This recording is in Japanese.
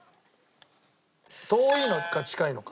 遠いのか近いのか。